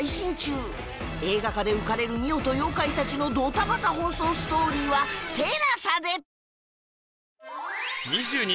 映画化で浮かれる澪と妖怪たちのドタバタ奔走ストーリーは ＴＥＬＡＳＡ で！